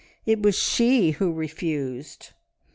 It was she who refused.